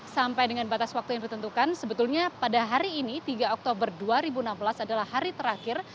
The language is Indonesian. sampai dengan batas waktu yang ditentukan sebetulnya pada hari ini tiga oktober dua ribu enam belas adalah hari terakhir